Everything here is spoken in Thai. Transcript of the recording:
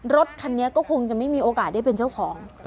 รถคันนี้ก็คงจะไม่มีโอกาสได้เป็นเจ้าของ